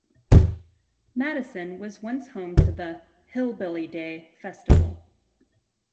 Madison was once home to the "Hillbilly Day" festival.